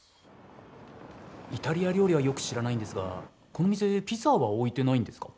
イタリア料理はよく知らないんですがこの店ピザは置いてないんですか？